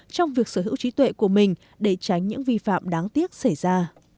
trong việc sở hữu trí tuệ của mình để tránh những vi phạm đáng tiếc xảy ra